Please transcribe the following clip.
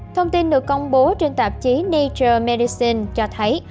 thông tin được công bố trên tạp chí nature medicine cho thấy